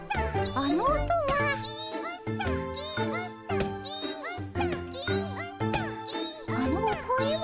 ・あのお声は。